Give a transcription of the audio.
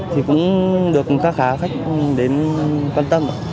thì cũng được khá khá khách đến quan tâm